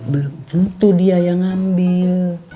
belum tentu dia yang ngambil